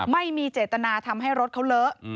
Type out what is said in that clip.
ไม่มีเจตนาทำให้รถเขาเลอะ